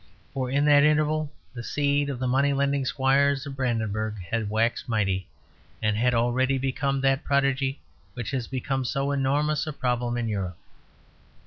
For in that interval the seed of the money lending squires of Brandenburg had waxed mighty, and had already become that prodigy which has become so enormous a problem in Europe.